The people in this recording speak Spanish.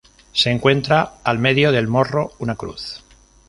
Se encuentra al medio del morro una cruz.